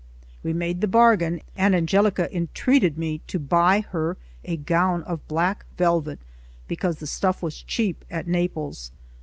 We made the bargain, and Angelica entreated me to by her a gown of black velvet, because the stuff was cheap at Naples.